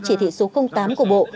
chỉ thị số tám của bộ